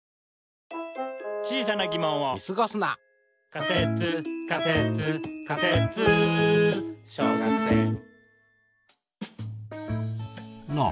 「仮説仮説仮説小学生」なあ